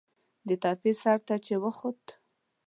د تپې سر ته چې وخوت.